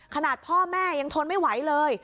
ขนาดพ่อแม่ยังทนไม่ไหวเลย